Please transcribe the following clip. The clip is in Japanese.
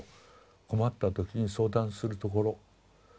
困った時に相談するところ。